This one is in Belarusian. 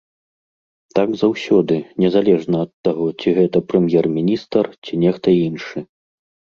Так заўсёды, незалежна ад таго, ці гэта прэм'ер-міністр, ці нехта іншы.